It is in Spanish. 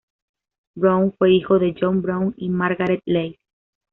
Brown fue hijo de John Brown y Margaret Leys.